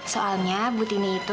soalnya butini itu